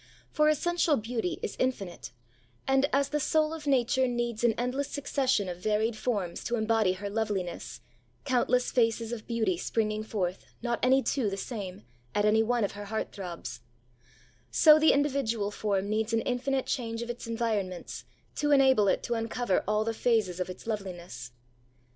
For essential beauty is infinite; and, as the soul of Nature needs an endless succession of varied forms to embody her loveliness, countless faces of beauty springing forth, not any two the same, at any one of her heart throbs; so the individual form needs an infinite change of its environments, to enable it to uncover all the phases of its loveliness.